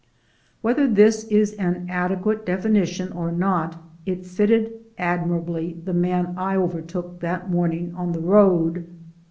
Whether this is an adequate definition or not, it fitted admirably the man I overtook that morning on the road.